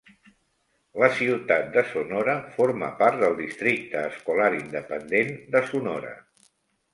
La ciutat de Sonora forma part del Districte Escolar Independent de Sonora.